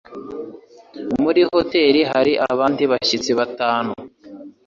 Muri hoteri hari abandi bashyitsi batanu.